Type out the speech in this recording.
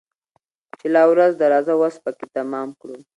چي لا ورځ ده راځه وس پكښي تمام كړو